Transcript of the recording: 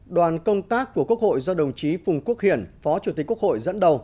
đoàn công tác của quốc hội do đồng chí phùng quốc hiển phó chủ tịch quốc hội dẫn đầu